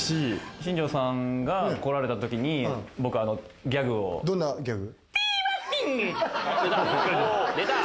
新庄さんが来られたときに、どんなギャグ？